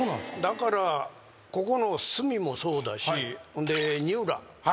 だからここの角もそうだしほんで新浦。